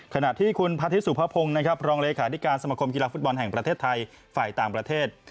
ขณะที่คุณพระทิตสุภพงศ์นะครับรองเลขาธิการสมคมกีฬาฟุตบอลแห่งประเทศไทยฝ่ายต่างประเทศ